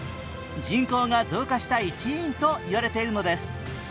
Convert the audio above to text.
人口が増加した一因と言われているのです。